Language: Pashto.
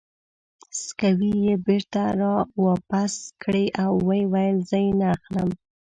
سکوې یې بېرته را واپس کړې او ویې ویل: زه یې نه اخلم.